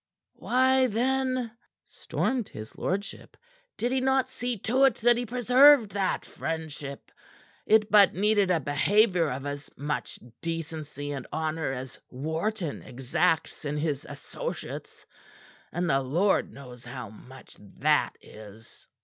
"Why, then," stormed his lordship, "did he not see to't that he preserved that friendship? It but needed a behavior of as much decency and honor as Wharton exacts in his associates and the Lord knows how much that is!"